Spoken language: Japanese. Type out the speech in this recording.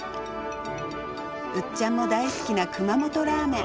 うっちゃんも大好きな熊本ラーメン。